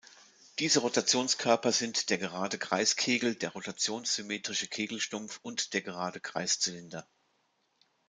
Diese Rotationskörper sind der gerade Kreiskegel, der rotationssymmetrische Kegelstumpf und der gerade Kreiszylinder.